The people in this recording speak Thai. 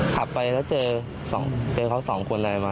ขับไปแล้วเจอเขาสองคนอะไรมา